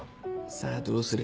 さぁどうする？